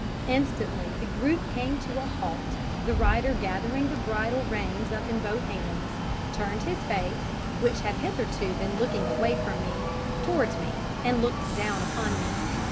Instantly the group came to a halt, the rider gathering the bridle reins up in both hands, turned his face, which had hitherto been looking away from me, towards me, and looked down upon me.